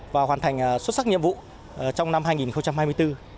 và hoàn thành xuất sắc nhiệm vụ trong năm hai nghìn hai mươi bốn